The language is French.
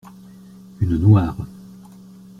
Une noire.